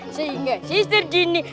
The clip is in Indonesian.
sehingga sister jeannie